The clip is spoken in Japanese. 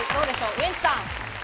ウエンツさん。